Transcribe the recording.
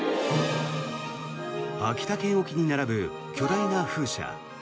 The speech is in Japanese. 秋田県沖に並ぶ巨大な風車。